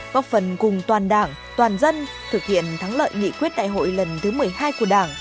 góp phần cùng toàn đảng toàn dân thực hiện thắng lợi nghị quyết đại hội lần thứ một mươi hai của đảng